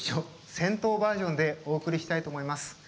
銭湯バージョンでお送りしたいと思います。